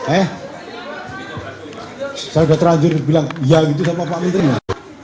eh saya udah terlanjur bilang ya gitu sama pak menteri gak